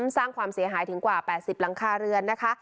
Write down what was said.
สร้างความเสียหายถึงกว่า๘๐หลังคาเรือนนะคะ